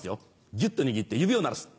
ギュっと握って指を鳴らす。